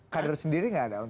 kadir sendiri nggak ada